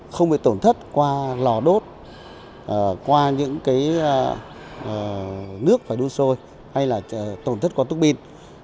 không bị tổn thất qua lò đốt qua những cái nước phải đu sôi hay là tổn thất qua túc pin